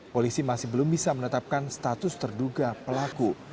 polisi masih belum bisa menetapkan status terduga pelaku